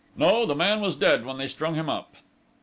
"No, the man was dead when they strung him up."